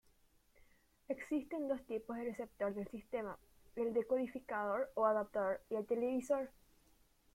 Existen dos tipos de receptor del sistema: el decodificador o adaptador y el televisor.